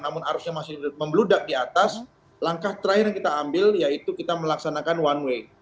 namun arusnya masih membeludak di atas langkah terakhir yang kita ambil yaitu kita melaksanakan one way